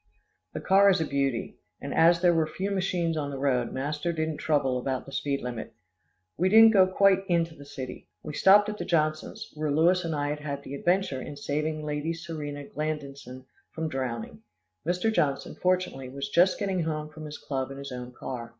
The car is a beauty, and as there were few machines on the road, master didn't trouble about the speed limit. We didn't go quite into the city. We stopped at the Johnsons', where Louis and I had had the adventure in saving Lady Serena Glandison from drowning. Mr. Johnson, fortunately, was just getting home from his club in his own car.